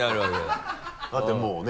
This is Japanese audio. だってもうね。